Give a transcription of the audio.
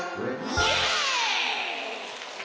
「イエイ！」